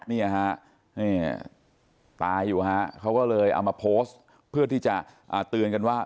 เนี่ยฮะตายอยู่ฮะเขาก็เลยเอามาโพสต์เพื่อที่จะเตือนกันว่า